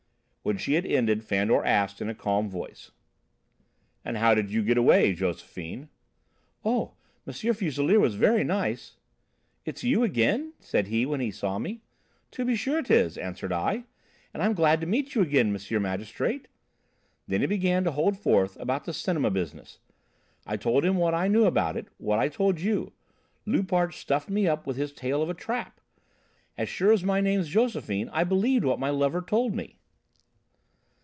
When she had ended Fandor asked in a calm voice: "And how did you get away, Josephine?" "Oh, M. Fuselier was very nice. 'It's you again?' said he when he saw me. 'To be sure it is,' answered I, 'and I'm glad to meet you again, M. Magistrate.' Then he began to hold forth about the cinema business. I told him what I knew about it, what I told you. Loupart stuffed me up with his tale of a trap. As sure as my name's Josephine I believed what my lover told me."